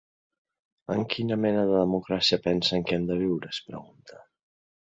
En quina mena de democràcia pensen que hem de viure, es pregunta.